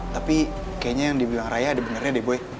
tapi kayaknya yang dibilang raya ada benernya deh boy